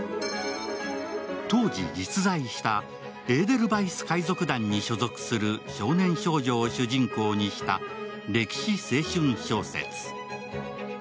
当時、実在したエーデルヴァイス海賊団に所属する少年少女を主人公にした歴史青春小説。